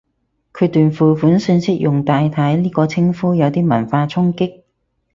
佢段付款訊息用太太呢個稱呼，有啲文化衝擊